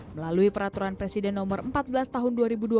melalui peraturan presiden nomor empat belas tahun dua ribu dua puluh